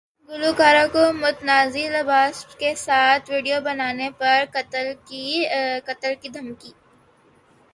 گلوکارہ کو متنازع لباس کے ساتھ ویڈیو بنانے پر قتل کی دھمکی